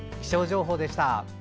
気象情報でした。